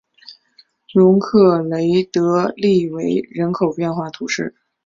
容克雷德利韦人口变化图示